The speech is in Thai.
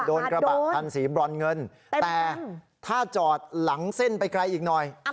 รถกระบะคันสีบรอนเงินแต่ถ้าจอดหลังเส้นไปไกลอีกหน่อย